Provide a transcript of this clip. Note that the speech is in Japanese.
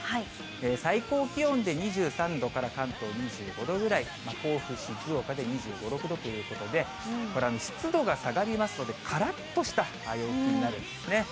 最高気温で２３度から関東２５度ぐらい、甲府、静岡で２５、６度ということで、これ、湿度が下がりますので、からっとした陽気になるんですね。